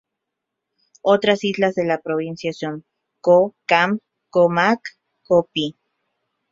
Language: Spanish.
Otras islas de la provincia son: Ko Kham, Ko Mak, Ko Phi.